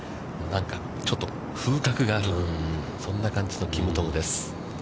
なんかちょっと風格がある、そんな感じのトム・キムです。